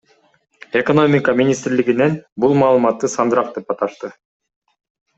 Экономика министрлигинен бул маалыматты сандырак деп аташты.